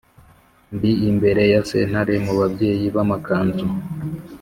ndi imbere ya sentare, mu babyeyi b’amakanzu